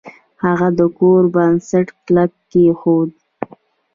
هغه د کور بنسټ کلک کیښود.